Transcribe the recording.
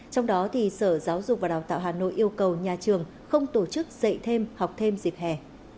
trong đó sở giáo dục và đào tạo hà nội yêu cầu nhà trường không tổ chức dạy thêm học thêm dịp hè